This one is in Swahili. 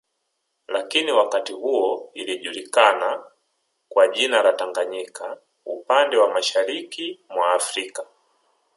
Lakini wakati huo ilijulikana kwa jina la Tanganyika upande wa Mashariki mwa Afrika